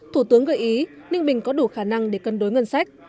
thủ tướng gợi ý ninh bình có đủ khả năng để cân đối ngân sách